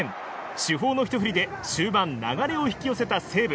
主砲のひと振りで終盤流れを引き寄せた西武。